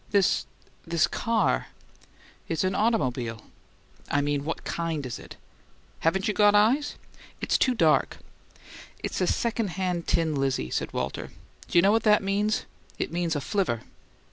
"This this CAR?" "It's a ottomobile." "I mean what kind is it?" "Haven't you got eyes?" "It's too dark." "It's a second hand tin Lizzie," said Walter. "D'you know what that means? It means a flivver."